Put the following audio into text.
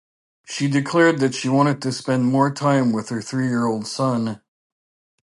She declared she wanted to spend more time with her three-year-old son.